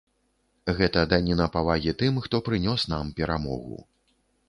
Гэта даніна павагі тым, хто прынёс нам перамогу.